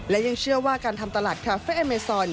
และยังเชื่อว่าการทำตลาดคาเฟ่อเมซอน